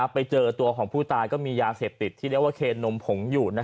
ไปเจอตัวของผู้ตายก็มียาเสพติดที่เรียกว่าเคนนมผงอยู่